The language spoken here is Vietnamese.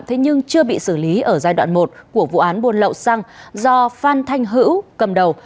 thế nhưng chưa bị xử lý ở giai đoạn một của vụ án buôn lậu xăng do phan thanh hữu cầm đầu